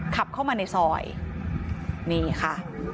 ขับเข้ามาในซอยนี่ค่ะ